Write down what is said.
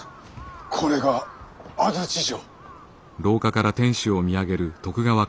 これが安土城。